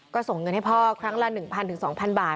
ก็ส่งเงินให้พ่อครั้งละ๑๐๐๒๐๐บาท